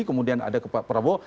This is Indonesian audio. kemudian ada ke pak prabowo